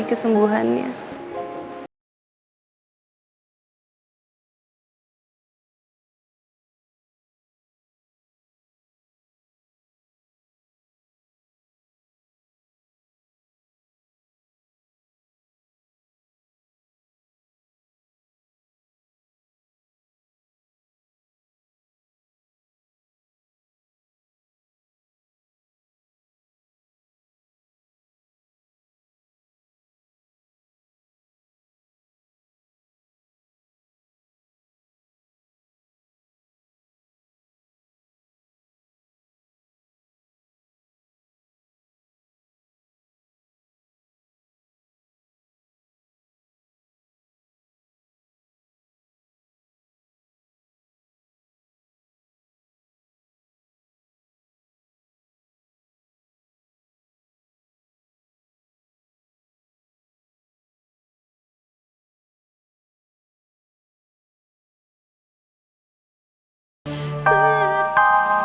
kesempatan yang berharga